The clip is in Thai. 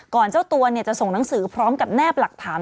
เจ้าตัวจะส่งหนังสือพร้อมกับแนบหลักฐาน